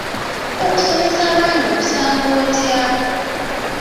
Okusomesa abaana okusanga otya?